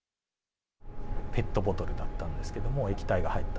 ペットボトルだったんですけども、液体が入った。